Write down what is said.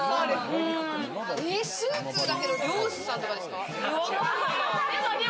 スーツだけれども漁師さんとかですか？